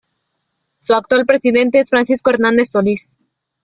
Su actual presidente es Francisco Hernández Solís.